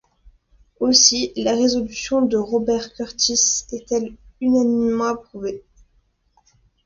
Aussi la résolution de Robert Kurtis est-elle unanimement approuvée.